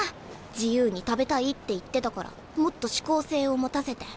自由に食べたいって言ってたからもっとしこう性を持たせて。